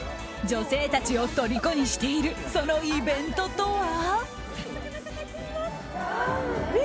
女性たちをとりこにしているそのイベントとは。